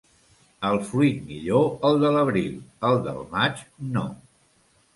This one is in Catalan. El fruit millor el de l'abril; el del maig, no.